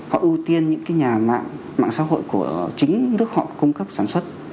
họ ưu tiên những cái nhà mạng xã hội của chính nước họ cung cấp sản xuất